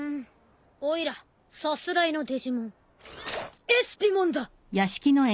おいらさすらいのデジモンエスピモンだ！